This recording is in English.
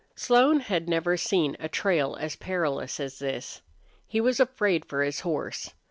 Slone had never seen a trail as perilous as this. He was afraid for his horse.